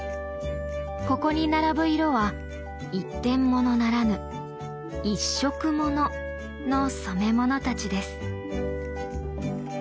ここに並ぶ色は一点ものならぬ「一色もの」の染め物たちです。